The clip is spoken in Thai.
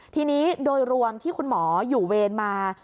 ทีนี้โดยรวมที่คุณหมออยู่เวรมา